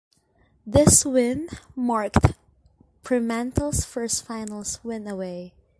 This win marked Fremantle's first finals win away.